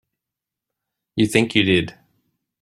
You think you did.